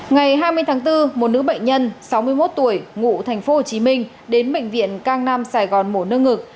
ngày hai mươi tháng bốn một nữ bệnh nhân sáu mươi một tuổi ngụ thành phố hồ chí minh đến bệnh viện cang nam sài gòn mổ nâng ngực